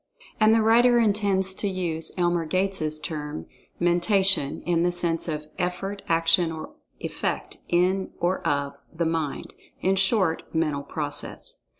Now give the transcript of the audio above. And, the writer intends to use Elmer Gates' term, "Mentation," in the sense of "effort; action; or effect; in or of, the Mind"—in short, "mental process."